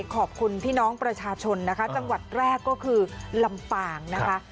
ขอบคุณพี่น้องประชาชนจังหวัดแรกคือลำปาง